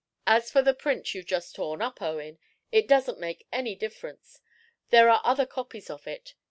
"As for the print you've just torn up, Owen, it doesn't make any difference. There are other copies of it.